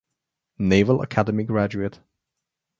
Naval Academy graduate.